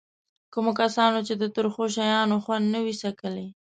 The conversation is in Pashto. کومو کسانو چې د ترخو شیانو خوند نه وي څکلی.